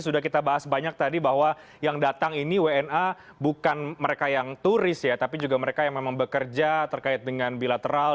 sudah kita bahas banyak tadi bahwa yang datang ini wna bukan mereka yang turis ya tapi juga mereka yang memang bekerja terkait dengan bilateral